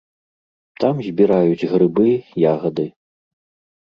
Там збіраюць грыбы, ягады.